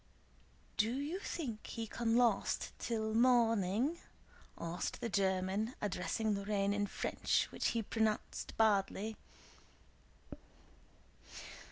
"Do you think he can last till morning?" asked the German, addressing Lorrain in French which he pronounced badly.